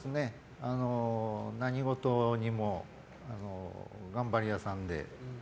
何事にも頑張り屋さんで。